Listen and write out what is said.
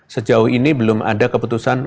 sejauh ini belum ada keputusan